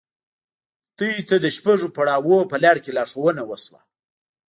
تاسې ته د شپږو پړاوونو په لړ کې لارښوونه وشوه.